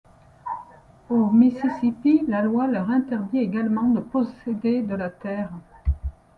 Au Mississippi, la loi leur interdit également de posséder de la terre.